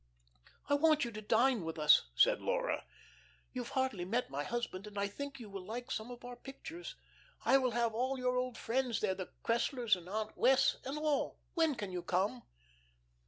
"I want you to dine with us," said Laura. "You've hardly met my husband, and I think you will like some of our pictures. I will have all your old friends there, the Cresslers and Aunt Wess, and all. When can you come?"